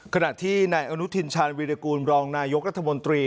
ขณะที่นายอนุทินชาญวีรกูลรองนายกรัฐมนตรี